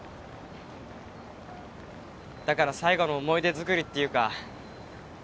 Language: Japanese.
だから最後の思い出づくりっていうか。